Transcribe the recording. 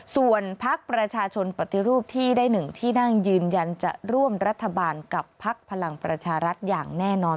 ส่วนพักประชาชนปฏิรูปที่ได้๑ที่นั่งยืนยันจะร่วมรัฐบาลกับพักพลังประชารัฐอย่างแน่นอน